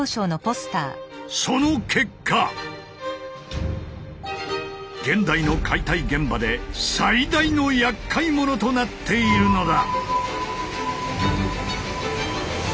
その結果現代の解体現場で最大のやっかい者となっているのだ！